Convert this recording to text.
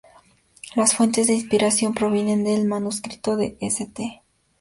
Las fuentes de inspiración provienen del manuscrito de St.